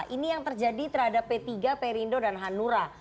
ini yang terjadi terhadap p tiga perindo dan hanura